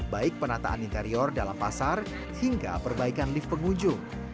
baik penataan interior dalam pasar hingga perbaikan lift pengunjung